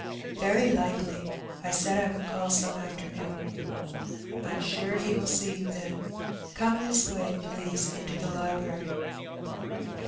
''Very likely. I said I would call some afternoon.^' 'Tm sure he will see you, then. Come this way, please, into the library.